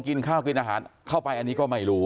กินข้าวกินอาหารเข้าไปอันนี้ก็ไม่รู้